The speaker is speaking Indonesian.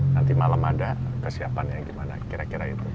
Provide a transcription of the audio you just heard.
nanti malam ada kesiapannya gimana kira kira itu